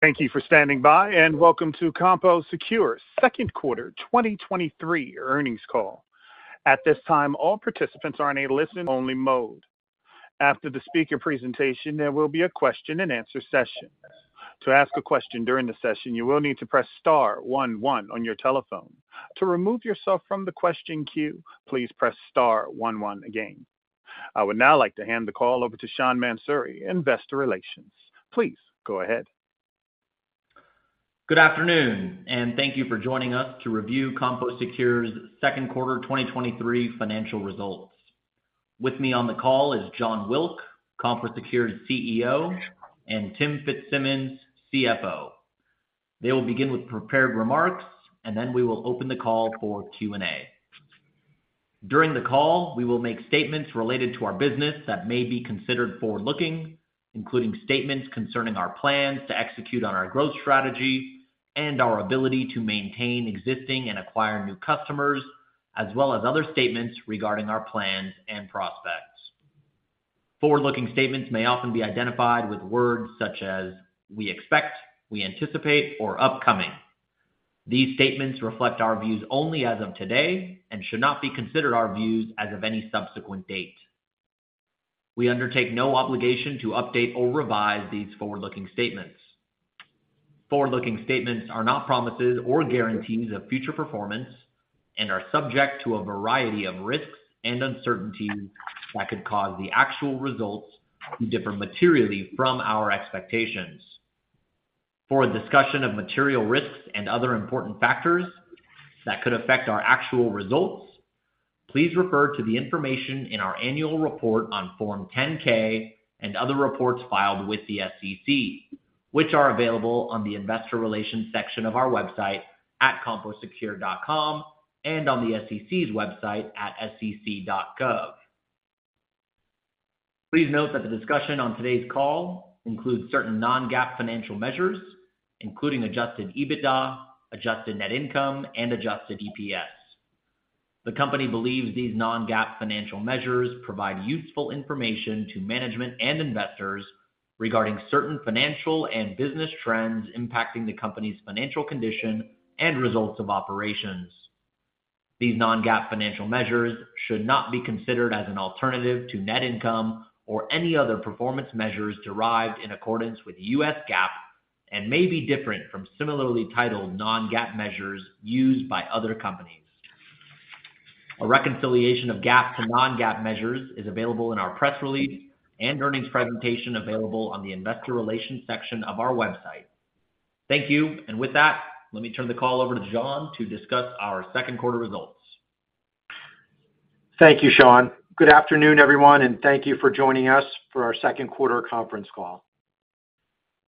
Thank you for standing by, welcome to CompoSecure's second quarter 2023 earnings call. At this time, all participants are in a listen-only mode. After the speaker presentation, there will be a question-and-answer session. To ask a question during the session, you will need to press star one one on your telephone. To remove yourself from the question queue, please press star one one again. I would now like to hand the call over to Sean Mansouri, Investor Relations. Please go ahead. Good afternoon, and thank you for joining us to review CompoSecure's second quarter 2023 financial results. With me on the call is Jon Wilk, CompoSecure's CEO, and Tim Fitzsimmons, CFO. They will begin with prepared remarks, and then we will open the call for Q&A. During the call, we will make statements related to our business that may be considered forward-looking, including statements concerning our plans to execute on our growth strategy and our ability to maintain existing and acquire new customers, as well as other statements regarding our plans and prospects. Forward-looking statements may often be identified with words such as "we expect," "we anticipate," or "upcoming." These statements reflect our views only as of today and should not be considered our views as of any subsequent date. We undertake no obligation to update or revise these forward-looking statements. Forward-looking statements are not promises or guarantees of future performance and are subject to a variety of risks and uncertainties that could cause the actual results to differ materially from our expectations. For a discussion of material risks and other important factors that could affect our actual results, please refer to the information in our annual report on Form 10-K and other reports filed with the SEC, which are available on the Investor Relations section of our website at composecure.com and on the SEC's website at sec.gov. Please note that the discussion on today's call includes certain non-GAAP financial measures, including Adjusted EBITDA, Adjusted net income, and adjusted EPS. The company believes these non-GAAP financial measures provide useful information to management and investors regarding certain financial and business trends impacting the company's financial condition and results of operations. These non-GAAP financial measures should not be considered as an alternative to net income or any other performance measures derived in accordance with U.S. GAAP and may be different from similarly titled non-GAAP measures used by other companies. A reconciliation of GAAP to non-GAAP measures is available in our press release and earnings presentation available on the Investor Relations section of our website. Thank you. With that, let me turn the call over to John to discuss our second quarter results. Thank you, Sean. Good afternoon, everyone, and thank you for joining us for our second quarter conference call.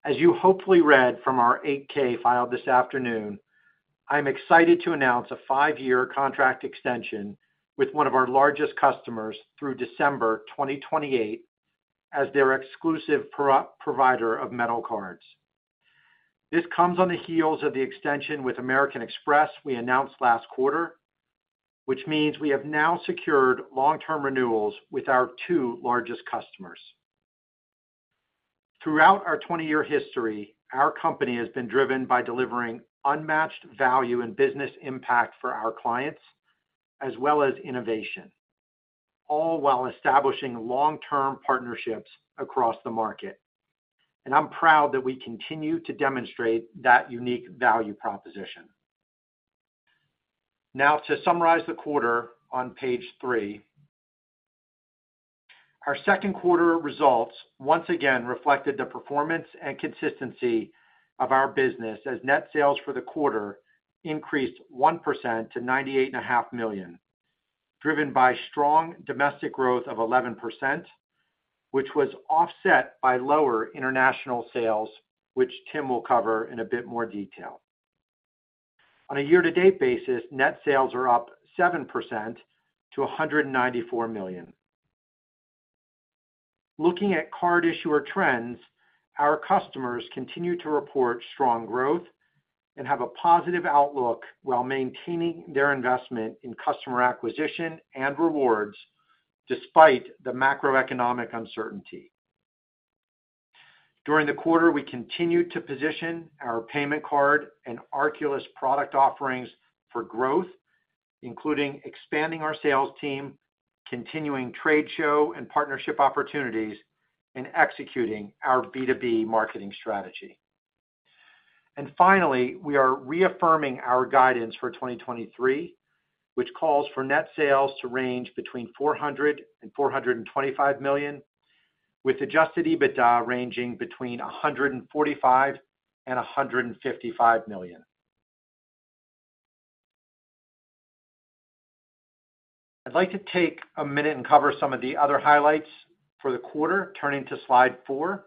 As you hopefully read from our 8-K filed this afternoon, I'm excited to announce a five-year contract extension with one of our largest customers through December 2028 as their exclusive provider of metal cards. This comes on the heels of the extension with American Express we announced last quarter, which means we have now secured long-term renewals with our two largest customers. Throughout our 20-year history, our company has been driven by delivering unmatched value and business impact for our clients, as well as innovation, all while establishing long-term partnerships across the market, and I'm proud that we continue to demonstrate that unique value proposition. Now to summarize the quarter on page three. Our second quarter results once again reflected the performance and consistency of our business, as net sales for the quarter increased 1% to $98.5 million, driven by strong domestic growth of 11%, which was offset by lower international sales, which Tim will cover in a bit more detail. On a year-to-date basis, net sales are up 7% to $194 million. Looking at card issuer trends, our customers continue to report strong growth and have a positive outlook while maintaining their investment in customer acquisition and rewards despite the macroeconomic uncertainty. During the quarter, we continued to position our payment card and Arculus product offerings for growth, including expanding our sales team, continuing trade show and partnership opportunities, and executing our B2B marketing strategy. Finally, we are reaffirming our guidance for 2023, which calls for net sales to range between $400 million and $425 million, with Adjusted EBITDA ranging between $145 million and $155 million. I'd like to take a minute and cover some of the other highlights for the quarter, turning to slide four.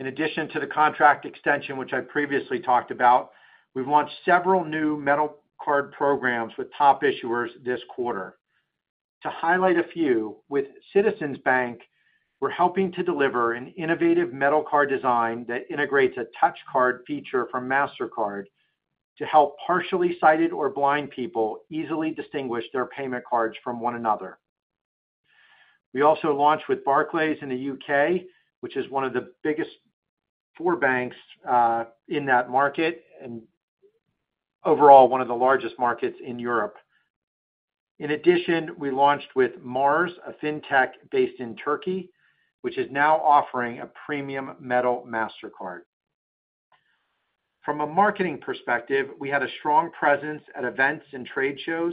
In addition to the contract extension, which I previously talked about, we've launched several new metal card programs with top issuers this quarter. To highlight a few, with Citizens Bank, we're helping to deliver an innovative metal card design that integrates a touch card feature from Mastercard to help partially sighted or blind people easily distinguish their payment cards from one another.... We also launched with Barclays in the U.K., which is one of the four biggest banks in that market and overall one of the largest markets in Europe. In addition, we launched with MARS, a fintech based in Turkey, which is now offering a premium metal Mastercard. From a marketing perspective, we had a strong presence at events and trade shows,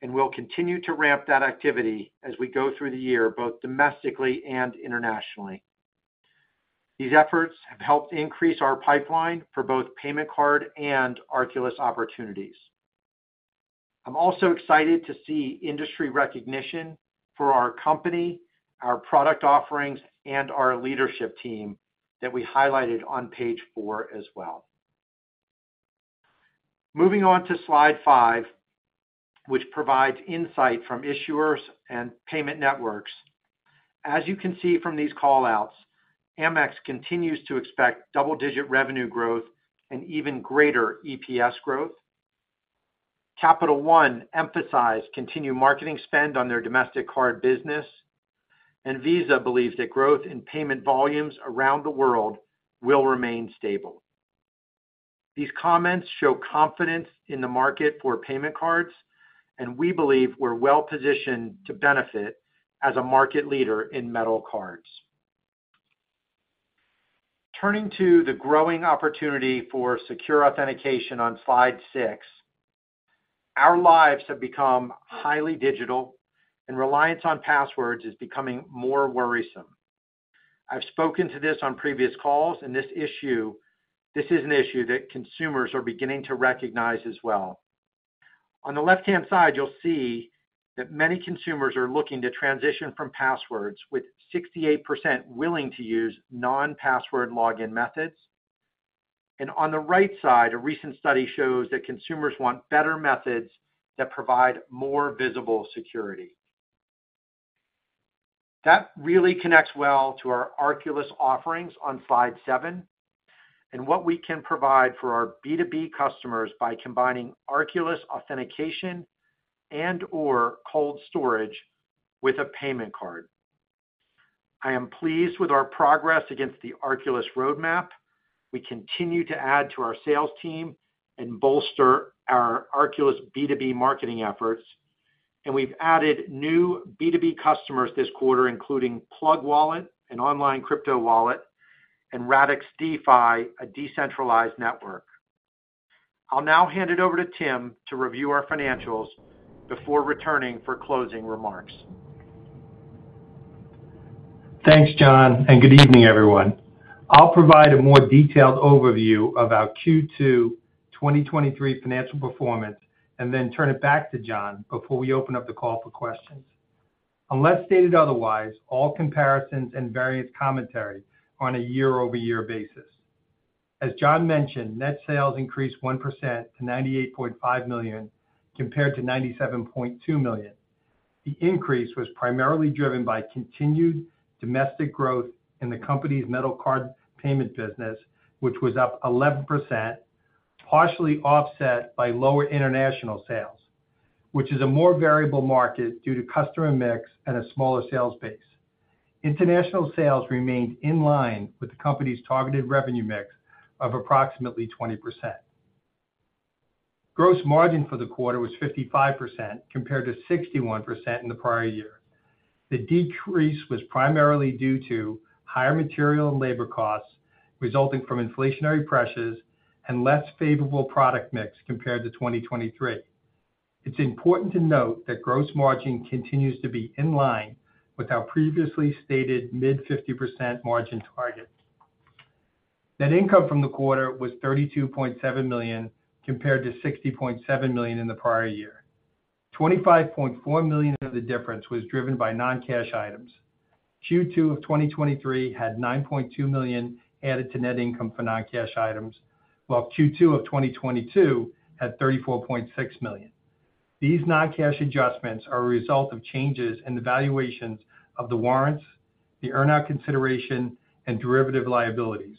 and we'll continue to ramp that activity as we go through the year, both domestically and internationally. These efforts have helped increase our pipeline for both payment card and Arculus opportunities. I'm also excited to see industry recognition for our company, our product offerings, and our leadership team that we highlighted on page four as well. Moving on to slide five, which provides insight from issuers and payment networks. As you can see from these call-outs, Amex continues to expect double-digit revenue growth and even greater EPS growth. Capital One emphasized continued marketing spend on their domestic card business, and Visa believes that growth in payment volumes around the world will remain stable. These comments show confidence in the market for payment cards, and we believe we're well positioned to benefit as a market leader in metal cards. Turning to the growing opportunity for secure authentication on slide six, our lives have become highly digital and reliance on passwords is becoming more worrisome. I've spoken to this on previous calls, and this is an issue that consumers are beginning to recognize as well. On the left-hand side, you'll see that many consumers are looking to transition from passwords, with 68% willing to use non-password login methods. On the right side, a recent study shows that consumers want better methods that provide more visible security. That really connects well to our Arculus offerings on slide seven, and what we can provide for our B2B customers by combining Arculus authentication and/or cold storage with a payment card. I am pleased with our progress against the Arculus roadmap. We continue to add to our sales team and bolster our Arculus B2B marketing efforts, and we've added new B2B customers this quarter, including Plug Wallet, an online crypto wallet, and Radix DeFi, a decentralized network. I'll now hand it over to Tim to review our financials before returning for closing remarks. Thanks, Jon Wilk, and good evening, everyone. I'll provide a more detailed overview of our Q2 2023 financial performance and then turn it back to Jon Wilk before we open up the call for questions. Unless stated otherwise, all comparisons and various commentary are on a year-over-year basis. As Jon Wilk mentioned, net sales increased 1% to $98.5 million, compared to $97.2 million. The increase was primarily driven by continued domestic growth in the company's metal card payment business, which was up 11%, partially offset by lower international sales, which is a more variable market due to customer mix and a smaller sales base. International sales remained in line with the company's targeted revenue mix of approximately 20%. Gross margin for the quarter was 55%, compared to 61% in the prior year. The decrease was primarily due to higher material and labor costs resulting from inflationary pressures and less favorable product mix compared to 2023. It's important to note that gross margin continues to be in line with our previously stated mid-50% margin target. Net income from the quarter was $32.7 million, compared to $60.7 million in the prior year. $25.4 million of the difference was driven by non-cash items. Q2 of 2023 had $9.2 million added to net income for non-cash items, while Q2 of 2022 had $34.6 million. These non-cash adjustments are a result of changes in the valuations of the warrants, the earn-out consideration, and derivative liabilities,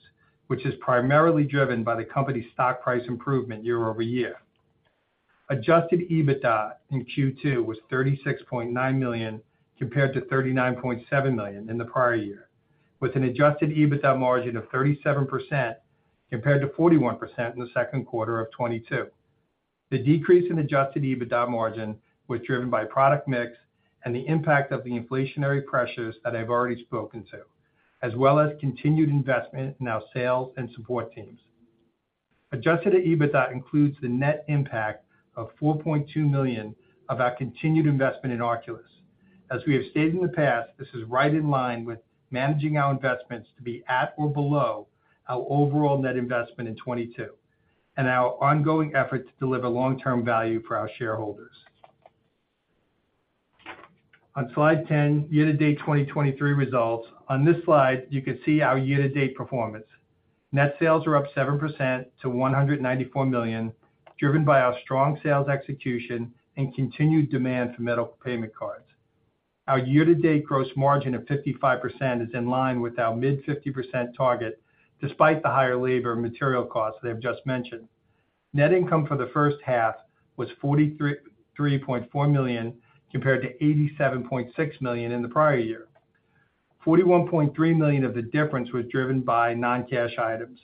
which is primarily driven by the company's stock price improvement year-over-year. Adjusted EBITDA in Q2 was $36.9 million, compared to $39.7 million in the prior year, with an adjusted EBITDA margin of 37%, compared to 41% in the second quarter of 2022. The decrease in adjusted EBITDA margin was driven by product mix and the impact of the inflationary pressures that I've already spoken to, as well as continued investment in our sales and support teams. Adjusted EBITDA includes the net impact of $4.2 million of our continued investment in Arculus. As we have stated in the past, this is right in line with managing our investments to be at or below our overall net investment in 2022, and our ongoing effort to deliver long-term value for our shareholders. On slide 10, year-to-date 2023 results. On this slide, you can see our year-to-date performance. Net sales are up 7% to $194 million, driven by our strong sales execution and continued demand for metal payment cards. Our year-to-date gross margin of 55% is in line with our mid-50% target, despite the higher labor and material costs that I've just mentioned. Net income for the first half was $43.4 million, compared to $87.6 million in the prior year. $41.3 million of the difference was driven by non-cash items.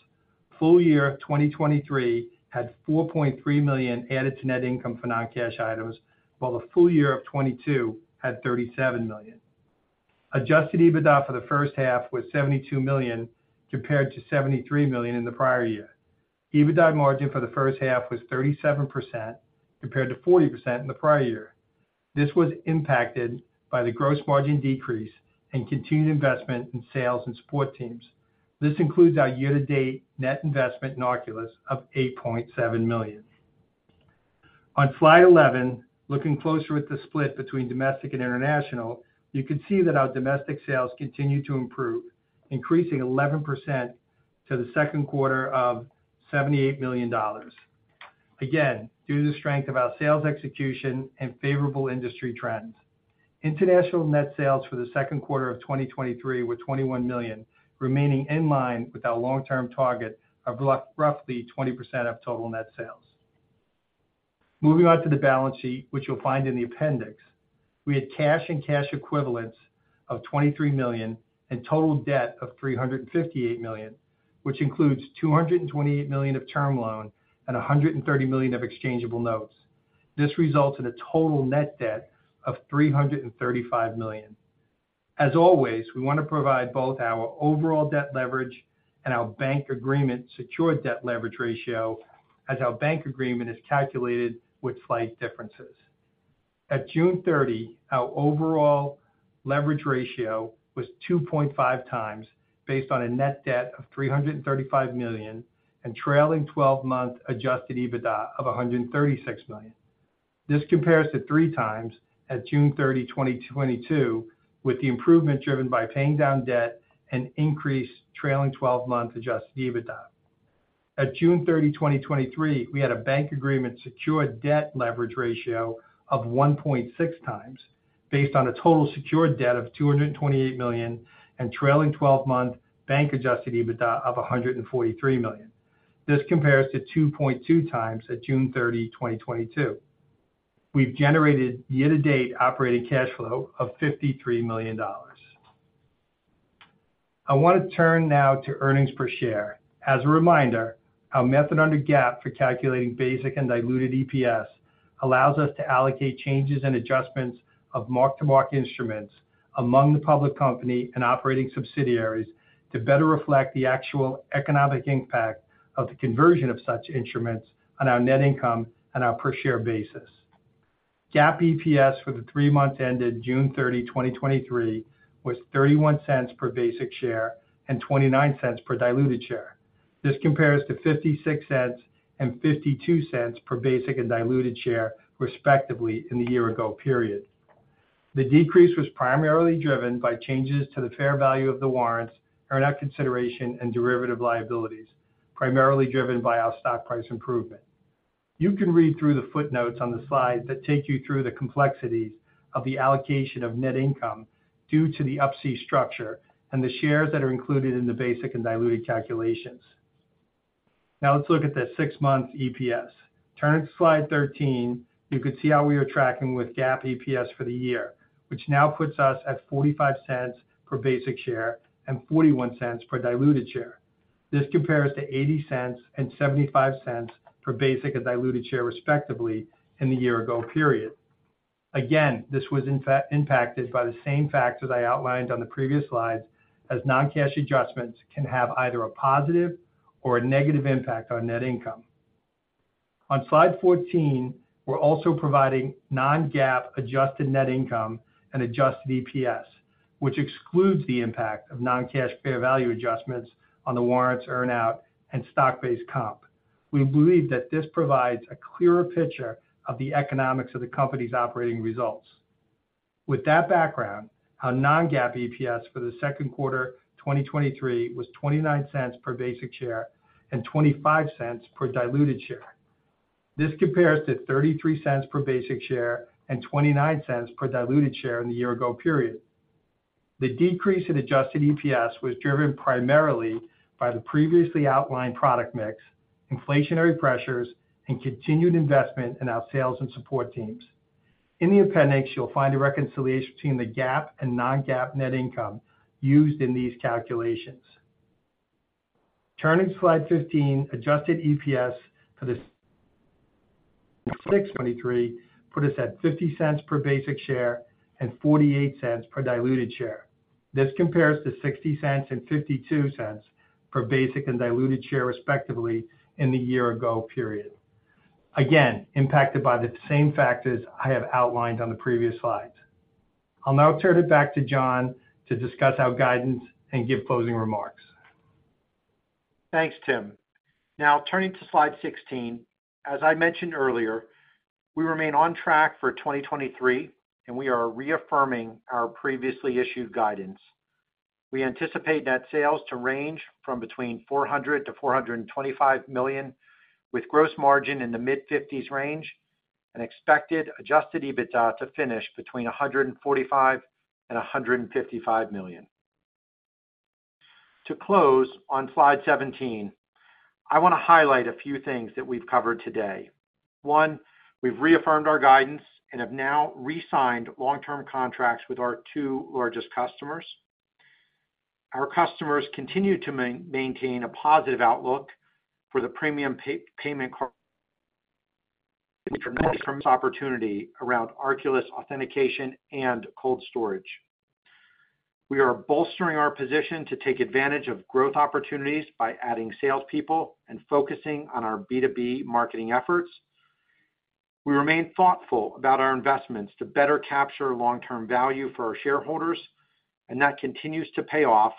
Full year of 2023 had $4.3 million added to net income for non-cash items, while the full year of 2022 had $37 million. Adjusted EBITDA for the first half was $72 million, compared to $73 million in the prior year. EBITDA margin for the first half was 37%, compared to 40% in the prior year. This was impacted by the gross margin decrease and continued investment in sales and support teams. This includes our year-to-date net investment in Arculus of $8.7 million. On slide 11, looking closer at the split between domestic and international, you can see that our domestic sales continue to improve, increasing 11% to the second quarter of $78 million. Again, due to the strength of our sales execution and favorable industry trends. International net sales for the second quarter of 2023 were $21 million, remaining in line with our long-term target of roughly 20% of total net sales. Moving on to the balance sheet, which you'll find in the appendix. We had cash and cash equivalents of $23 million and total debt of $358 million, which includes $228 million of term loan and $130 million of exchangeable notes. This results in a total net debt of $335 million. As always, we want to provide both our overall debt leverage and our bank agreement secured debt leverage ratio, as our bank agreement is calculated with slight differences. At June 30, our overall leverage ratio was 2.5x based on a net debt of $335 million, and trailing twelve-month Adjusted EBITDA of $136 million. This compares to 3x at June 30, 2022, with the improvement driven by paying down debt and increased trailing twelve-month Adjusted EBITDA. At June 30, 2023, we had a bank agreement secured debt leverage ratio of 1.6x, based on a total secured debt of $228 million, and trailing 12-month bank Adjusted EBITDA of $143 million. This compares to 2.2x at June 30, 2022. We've generated year-to-date operating cash flow of $53 million. I want to turn now to earnings per share. As a reminder, our method under GAAP for calculating basic and diluted EPS allows us to allocate changes and adjustments of mark-to-market instruments among the public company and operating subsidiaries, to better reflect the actual economic impact of the conversion of such instruments on our net income and our per-share basis. GAAP EPS for the three months ended June 30, 2023, was $0.31 per basic share and $0.29 per diluted share. This compares to $0.56 and $0.52 per basic and diluted share, respectively, in the year-ago period. The decrease was primarily driven by changes to the fair value of the warrants, earn out consideration, and derivative liabilities, primarily driven by our stock price improvement. You can read through the footnotes on the slide that take you through the complexities of the allocation of net income due to the Up-C structure and the shares that are included in the basic and diluted calculations. Let's look at the six-month EPS. Turning to slide 13, you can see how we are tracking with GAAP EPS for the year, which now puts us at $0.45 per basic share and $0.41 per diluted share. This compares to $0.80 and $0.75 per basic and diluted share, respectively, in the year-ago period. This was, in fact, impacted by the same factors I outlined on the previous slides, as non-cash adjustments can have either a positive or a negative impact on net income. On slide 14, we're also providing non-GAAP adjusted net income and adjusted EPS, which excludes the impact of non-cash fair value adjustments on the warrants earn out and stock-based comp. We believe that this provides a clearer picture of the economics of the company's operating results. With that background, our non-GAAP EPS for the second quarter 2023 was $0.29 per basic share and $0.25 per diluted share. This compares to $0.33 per basic share and $0.29 per diluted share in the year-ago period. The decrease in adjusted EPS was driven primarily by the previously outlined product mix, inflationary pressures, and continued investment in our sales and support teams. In the appendix, you'll find a reconciliation between the GAAP and non-GAAP net income used in these calculations. Turning to slide 15, adjusted EPS for 2023, put us at $0.50 per basic share and $0.48 per diluted share. This compares to $0.60 and $0.52 per basic and diluted share, respectively, in the year-ago period. Again, impacted by the same factors I have outlined on the previous slides. I'll now turn it back to Jon to discuss our guidance and give closing remarks. Turning to slide 16. As I mentioned earlier, we remain on track for 2023, we are reaffirming our previously issued guidance. We anticipate net sales to range from between $400 million and $425 million, with gross margin in the mid-50s range and expected Adjusted EBITDA to finish between $145 million and $155 million. To close on slide 17, I wanna highlight a few things that we've covered today. One, we've reaffirmed our guidance and have now re-signed long-term contracts with our two largest customers. Our customers continue to maintain a positive outlook for the premium payment card- tremendous opportunity around Arculus authentication and cold storage. We are bolstering our position to take advantage of growth opportunities by adding salespeople and focusing on our B2B marketing efforts. We remain thoughtful about our investments to better capture long-term value for our shareholders, and that continues to pay off,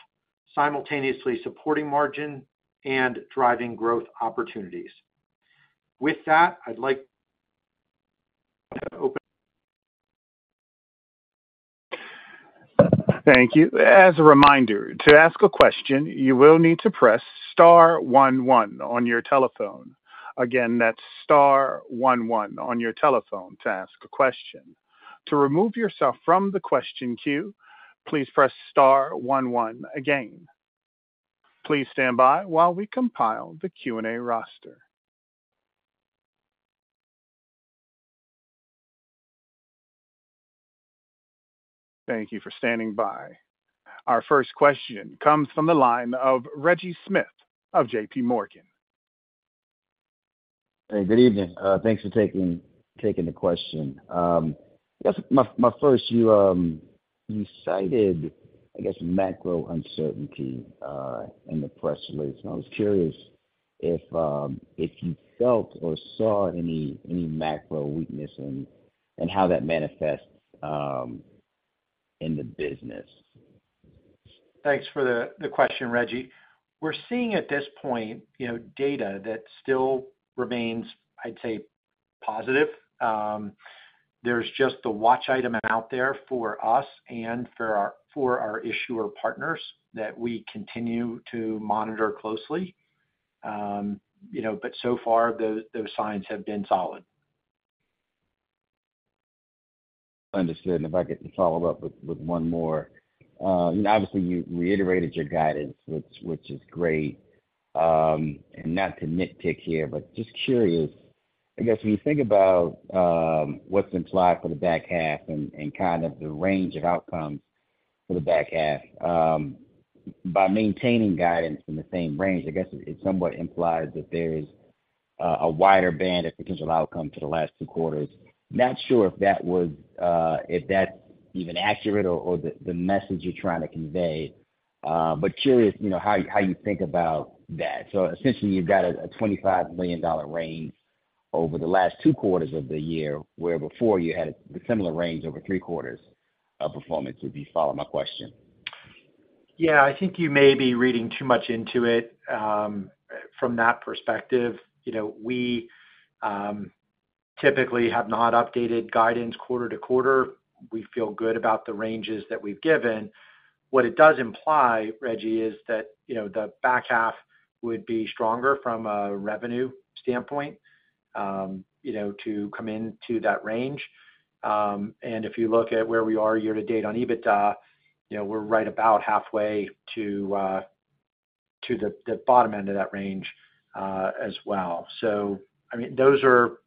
simultaneously supporting margin and driving growth opportunities. With that, I'd like to. Thank you. As a reminder, to ask a question, you will need to press star one one on your telephone. Again, that's star one one on your telephone to ask a question. To remove yourself from the question queue, please press star one one again. Please stand by while we compile the Q&A roster. Thank you for standing by. Our first question comes from the line of Reggie Smith of J.P. Morgan. Hey, good evening. Thanks for taking, taking the question. I guess my, my first, you, you cited, I guess, macro uncertainty, in the press release, and I was curious if, if you felt or saw any, any macro weakness and, and how that manifests, in the business? Thanks for the question, Reggie. We're seeing at this point, you know, data that still remains, I'd say, positive. There's just a watch item out there for us and for our issuer partners that we continue to monitor closely. You know, so far, those signs have been solid. Understood. If I could follow up with, with one more. Obviously, you reiterated your guidance, which, which is great. Not to nitpick here, but just curious, I guess, when you think about what's implied for the back half and, and kind of the range of outcomes for the back half, by maintaining guidance in the same range, I guess it somewhat implies that there is a, a wider band of potential outcome for the last two quarters. Not sure if that was if that's even accurate or, or the, the message you're trying to convey, but curious, you know, how, how you think about that. Essentially, you've got a $25 million range over the last two quarters of the year, where before you had a similar range over three quarters of performance, if you follow my question. Yeah, I think you may be reading too much into it from that perspective. You know, we typically have not updated guidance quarter to quarter. We feel good about the ranges that we've given. What it does imply, Reggie, is that, you know, the back half would be stronger from a revenue standpoint, you know, to come into that range. If you look at where we are year to date on EBITDA, you know, we're right about halfway to the bottom end of that range as well. I mean, those are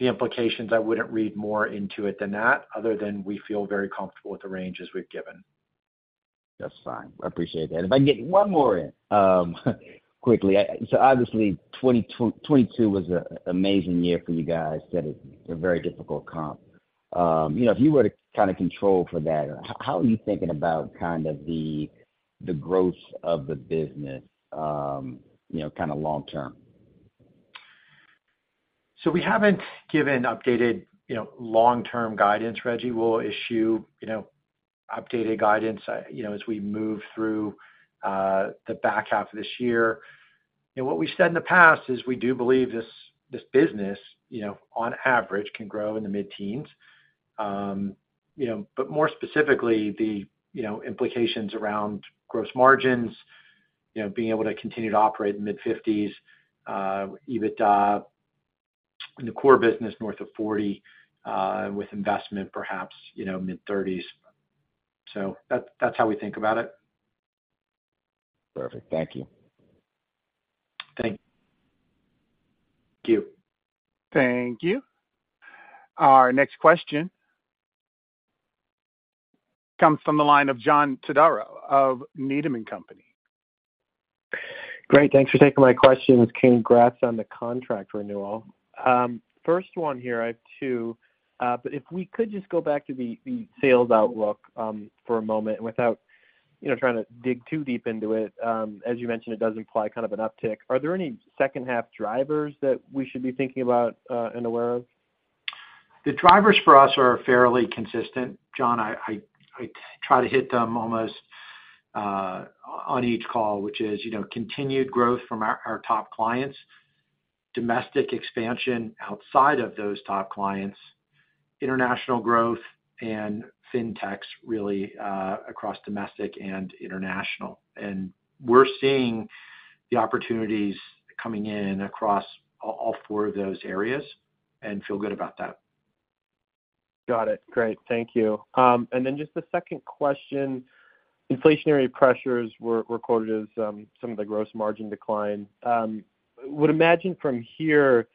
the implications. I wouldn't read more into it than that, other than we feel very comfortable with the ranges we've given. That's fine. I appreciate that. If I can get one more in, quickly. Obviously, 2022 was a amazing year for you guys. Set a very difficult comp. you know, if you were to kinda control for that, how are you thinking about kind of the, the growth of the business, you know, kinda long term? We haven't given updated, you know, long-term guidance, Reggie. We'll issue, you know, updated guidance, you know, as we move through the back half of this year. What we've said in the past is we do believe this, this business, you know, on average, can grow in the mid-teens. You know, but more specifically, the, you know, implications around gross margins, you know, being able to continue to operate in mid-fifties, EBITDA in the core business north of 40, with investment, perhaps, you know, mid-thirties. That-that's how we think about it. Perfect. Thank you. Thank you. Thank you. Our next question comes from the line of John Todaro of Needham & Company. Great, thanks for taking my questions. Congrats on the contract renewal. First one here, I have two, but if we could just go back to the, the sales outlook, for a moment, without, you know, trying to dig too deep into it. As you mentioned, it does imply kind of an uptick. Are there any second-half drivers that we should be thinking about, and aware of? The drivers for us are fairly consistent, John. I try to hit them almost on each call, which is, you know, continued growth from our top clients, domestic expansion outside of those top clients, international growth, and fintechs, really, across domestic and international. We're seeing the opportunities coming in across all four of those areas and feel good about that.... Got it. Great. Thank you. Just the second question, inflationary pressures were, were quoted as, some of the gross margin decline. Would imagine from here,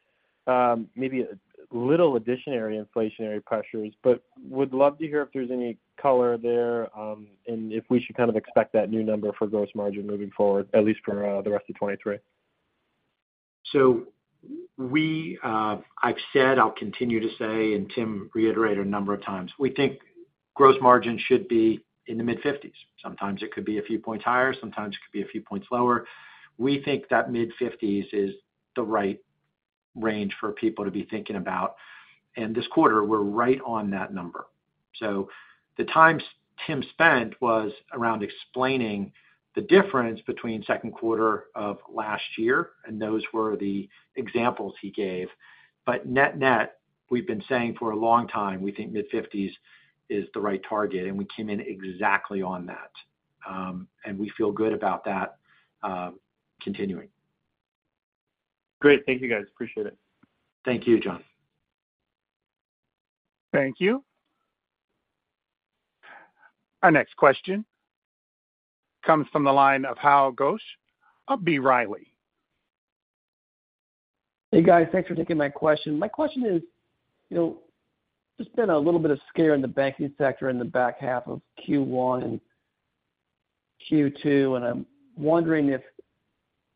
maybe a little additionary inflationary pressures, but would love to hear if there's any color there, and if we should kind of expect that new number for gross margin moving forward, at least for, the rest of 23? We, I've said, I'll continue to say, and Tim reiterated a number of times, we think gross margin should be in the mid-50s. Sometimes it could be a few points higher, sometimes it could be a few points lower. We think that mid-50s is the right range for people to be thinking about, and this quarter we're right on that number. The time Tim spent was around explaining the difference between second quarter of last year, and those were the examples he gave. Net-net, we've been saying for a long time, we think mid-50s is the right target, and we came in exactly on that. We feel good about that continuing. Great. Thank you, guys. Appreciate it. Thank you, John. Thank you. Our next question comes from the line of Hal Goetsch of B. Riley. Hey, guys. Thanks for taking my question. My question is, you know, there's been a little bit of scare in the banking sector in the back half of Q1 and Q2, and I'm wondering if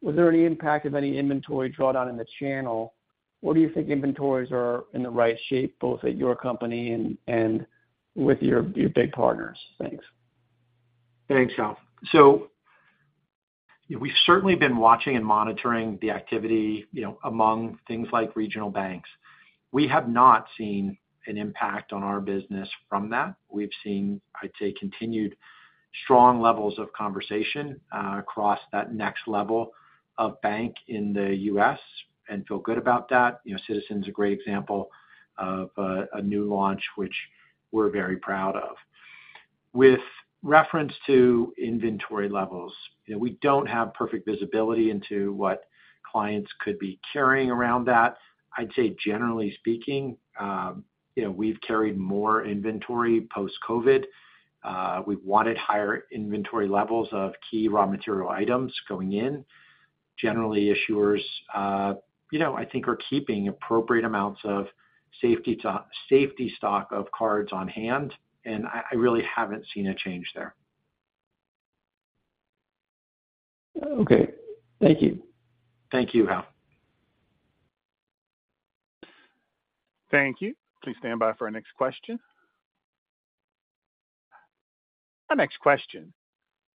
was there any impact of any inventory drawdown in the channel? What do you think inventories are in the right shape, both at your company and with your big partners? Thanks. Thanks, Hal. We've certainly been watching and monitoring the activity, you know, among things like regional banks. We have not seen an impact on our business from that. We've seen, I'd say, continued strong levels of conversation across that next level of bank in the U.S. and feel good about that. You know, Citizens is a great example of a new launch, which we're very proud of. With reference to inventory levels, you know, we don't have perfect visibility into what clients could be carrying around that. I'd say generally speaking, you know, we've carried more inventory post-COVID. We've wanted higher inventory levels of key raw material items going in. Generally, issuers, you know, I think are keeping appropriate amounts of safety stock of cards on hand, and I, I really haven't seen a change there. Okay. Thank you. Thank you, Hal. Thank you. Please stand by for our next question. Our next question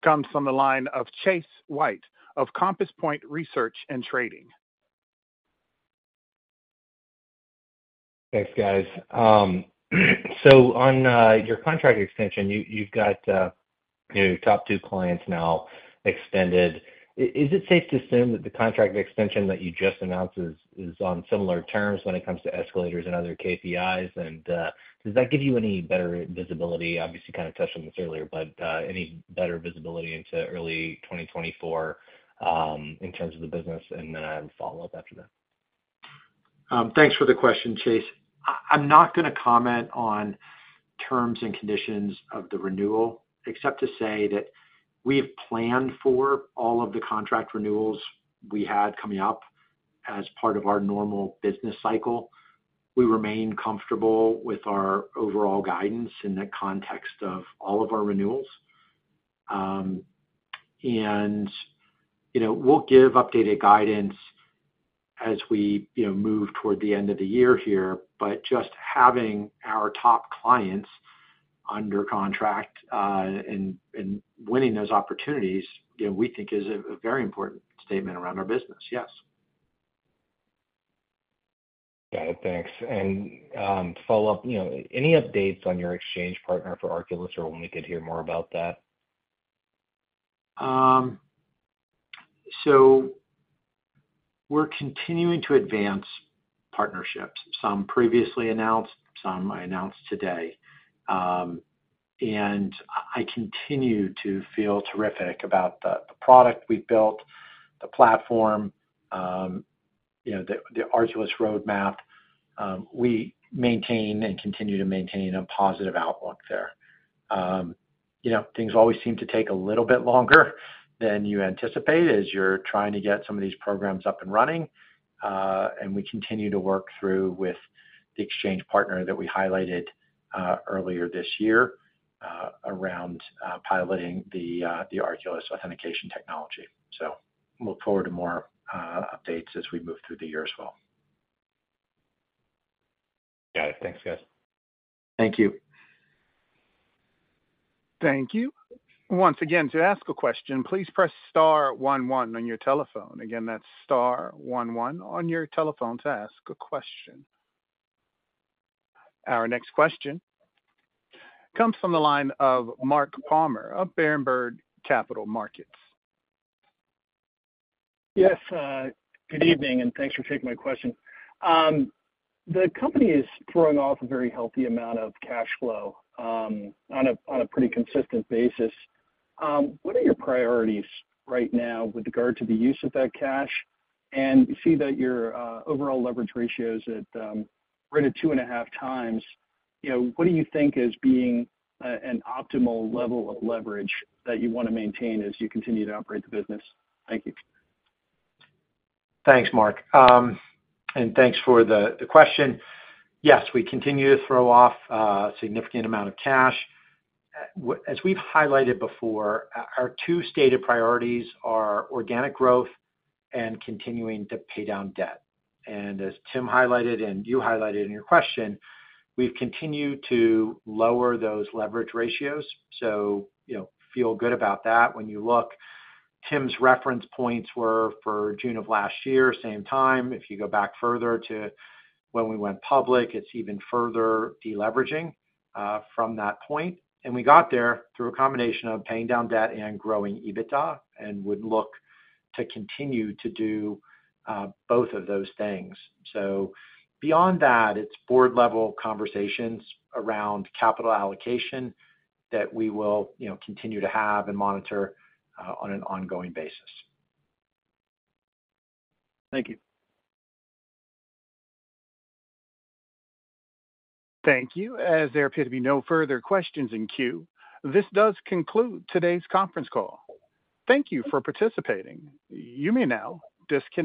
comes from the line of Chase White of Compass Point Research & Trading. Thanks, guys. On your contract extension, you've got your top two clients now extended. Is it safe to assume that the contract extension that you just announced is on similar terms when it comes to escalators and other KPIs? Does that give you any better visibility? Obviously, kind of touched on this earlier, but any better visibility into early 2024 in terms of the business? Then I have a follow-up after that. Thanks for the question, Chase. I, I'm not gonna comment on terms and conditions of the renewal, except to say that we have planned for all of the contract renewals we had coming up as part of our normal business cycle. We remain comfortable with our overall guidance in the context of all of our renewals. You know, we'll give updated guidance as we, you know, move toward the end of the year here. Just having our top clients under contract, and, and winning those opportunities, you know, we think is a, a very important statement around our business. Yes. Got it. Thanks. Follow up, you know, any updates on your exchange partner for Arculus, or when we could hear more about that? We're continuing to advance partnerships, some previously announced, some I announced today. I continue to feel terrific about the, the product we've built, the platform, you know, the, the Arculus roadmap. We maintain and continue to maintain a positive outlook there. You know, things always seem to take a little bit longer than you anticipate as you're trying to get some of these programs up and running. We continue to work through with the exchange partner that we highlighted earlier this year around piloting the Arculus authentication technology. Look forward to more updates as we move through the year as well. Got it. Thanks, guys. Thank you. Thank you. Once again, to ask a question, please press star one one on your telephone. Again, that's star one one on your telephone to ask a question. Our next question comes from the line of Mark Palmer of Berenberg Capital Markets. Yes, good evening, thanks for taking my question. The company is throwing off a very healthy amount of cash flow on a pretty consistent basis. What are your priorities right now with regard to the use of that cash? We see that your overall leverage ratio is at right at 2.5x. You know, what do you think is being an optimal level of leverage that you wanna maintain as you continue to operate the business? Thank you. Thanks, Mark. Thanks for the question. Yes, we continue to throw off a significant amount of cash. As we've highlighted before, our two stated priorities are organic growth and continuing to pay down debt. As Tim highlighted, and you highlighted in your question, we've continued to lower those leverage ratios, so you know, feel good about that. When you look, Tim's reference points were for June of last year, same time. If you go back further to when we went public, it's even further deleveraging from that point. We got there through a combination of paying down debt and growing EBITDA, and would look to continue to do both of those things. Beyond that, it's board-level conversations around capital allocation that we will, you know, continue to have and monitor on an ongoing basis. Thank you. Thank you. As there appear to be no further questions in queue, this does conclude today's conference call. Thank you for participating. You may now disconnect.